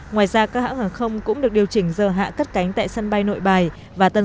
ngoài ra các hãng hàng không cũng được điều chỉnh giờ hạ cất cánh tại sân bay nội bài và tân